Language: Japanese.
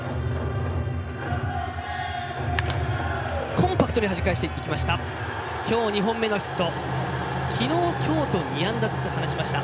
コンパクトにはじき返しました。